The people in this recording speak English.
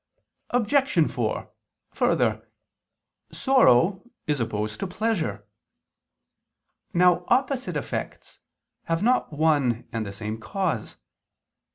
Obj. 4: Further, sorrow is opposed to pleasure. Now opposite effects have not one and the same cause.